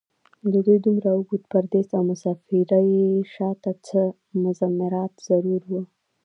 د دوي دومره اوږد پرديس او مسافرۍ شا ته څۀ مضمرات ضرور وو